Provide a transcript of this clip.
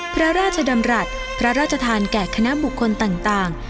พระราชดำรัฐพระราชทานแก่คณะบุคคลต่าง